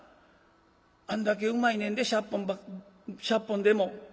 あんだけうまいねんでしゃっぽんでも。